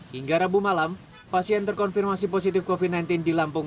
hingga rabu malam pasien terkonfirmasi positif covid sembilan belas di lampung